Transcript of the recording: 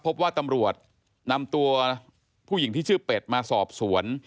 พบว่าตำรวจนำตัวผู้หญิงที่ชื่อเป็ดมาสอบสวน